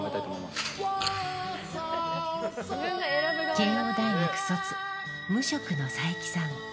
慶應大学卒、無職の佐伯さん。